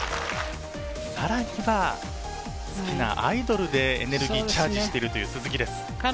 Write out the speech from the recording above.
さらには好きなアイドルでエネルギーをチャージしているという鈴木です。